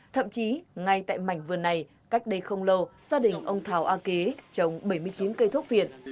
thậm chí ngay tại mảnh vườn này cách đây không lâu gia đình ông thảo a kế trồng bảy mươi chín cây thuốc viện